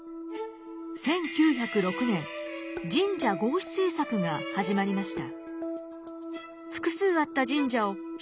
１９０６年神社合祀政策が始まりました。